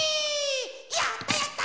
やったやった！